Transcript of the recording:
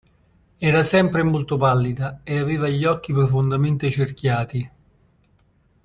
Era sempre molto pallida e aveva gli occhi profondamente cerchiati.